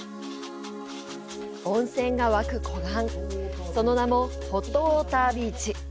温泉が湧く湖岸その名もホットウォータービーチ。